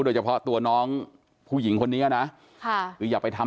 โดยเฉพาะตัวน้องผู้หญิงคนนี้อะไรนะ